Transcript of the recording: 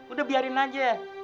udah biarin aja